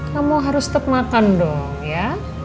kamu harus tetap makan dong ya